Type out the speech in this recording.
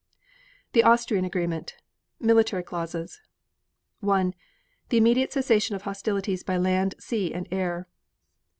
THE AUSTRIAN AGREEMENT Military Clauses 1. The immediate cessation of hostilities by land, sea and air.